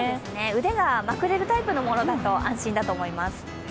腕がまくれるタイプのものだと安心だと思います。